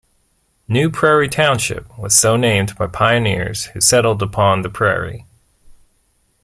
New Prairie Township was so named by pioneers who settled upon the prairie.